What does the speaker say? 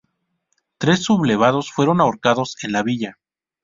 Tres sublevados fueron ahorcados en la villa.